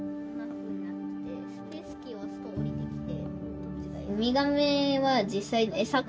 スペースキーを押すと下りてきて。